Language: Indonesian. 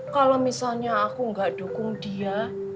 kalau misalnya aku gak dukung dia